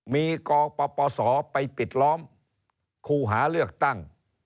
มีกปศไปปิดล้อมคู่หาเลือกตั้ง